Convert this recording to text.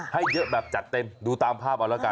ให้เยอะแบบจัดเต็มดูตามภาพเอาละกัน